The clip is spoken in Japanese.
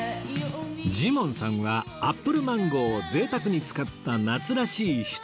ジモンさんはアップルマンゴーを贅沢に使った夏らしいひと品